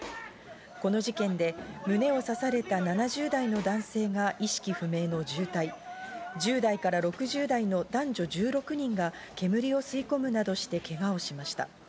この事件で胸を刺された７０代の男性が意識不明の重体、１０代から６０代の男女１６人が煙を吸い込むなどしてけがをしました。